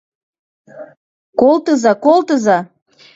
Колтыза, колтыза!